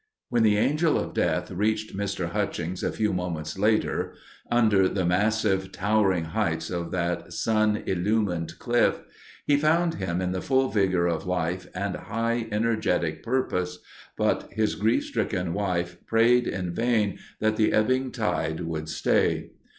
When the Angel of Death reached Mr. Hutchings a few moments later—under the massive towering heights of that sun illumined Cliff—"He" found him in the full vigour of life and high energetic purpose—but his grief stricken wife prayed in vain that the ebbing tide would stay.